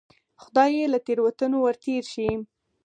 خدای یې له تېروتنو ورتېر شي.